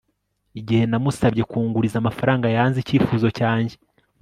Igihe namusabye kunguriza amafaranga yanze icyifuzo cyanjye